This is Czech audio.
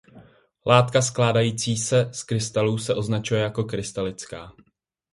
Látka skládající se z krystalů se označuje jako krystalická.